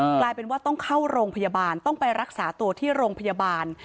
กลายเป็นว่าต้องเข้าโรงพยาบาลต้องไปรักษาตัวที่โรงพยาบาล